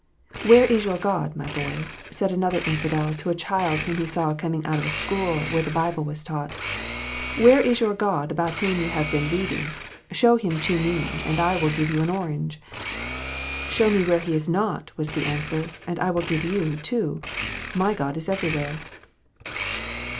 "Where is your God, my boy?" said another infidel to a child whom he saw coming out of a school where the Bible was taught. " Where is your God about whom you have been reading ? Show Him to me, and I will give you an orange." " Show me where He is not," was the answer, " and I will give you two. My God is everywhere."